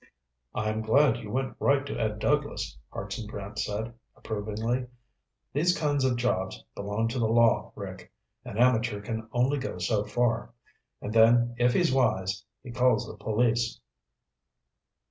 "I'm glad you went right to Ed Douglas," Hartson Brant said approvingly. "These kinds of jobs belong to the law, Rick. An amateur can go only so far, and then if he's wise, he calls the police."